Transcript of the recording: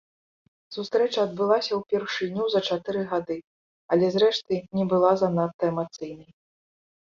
Сустрэча адбылася ўпершыню за чатыры гады, але, зрэшты, не была занадта эмацыйнай.